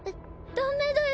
ダメだよ！